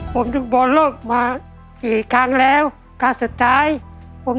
ผมดูบราโลกมาสี่ครั้งแล้วกล้าสุดท้ายผม